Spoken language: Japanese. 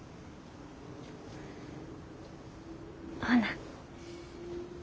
ほな。